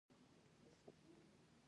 بله تيږه ولګېده.